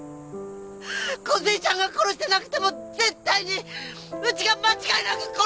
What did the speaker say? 梢ちゃんが殺してなくても絶対にうちが間違いなく殺してたんや！